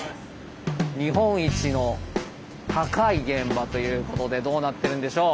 日本一の高い現場ということでどうなってるんでしょう。